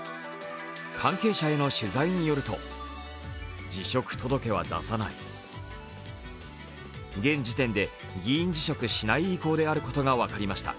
関係者への取材によると現時点で、議員辞職しない意向であることが分かりました。